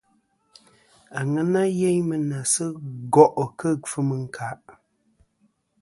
Aŋena yeyn mɨ na sɨ gòˈ kɨ ɨkfɨm ɨ ɨ̀nkàˈ.